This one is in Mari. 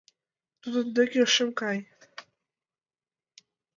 Тудын деке шым кай.